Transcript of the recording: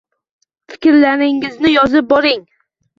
Fikrlaringizni yozib boring.